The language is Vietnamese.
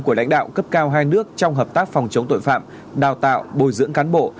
của lãnh đạo cấp cao hai nước trong hợp tác phòng chống tội phạm đào tạo bồi dưỡng cán bộ